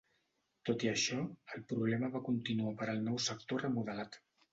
Tot i això, el problema va continuar per al nou sector remodelat.